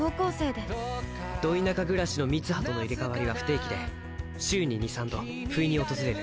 立花瀧：ど田舎暮らしの三葉との入れ替わりは不定期で週に２３度、不意に訪れる。